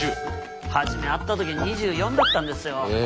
初め会った時２４だったんですよ。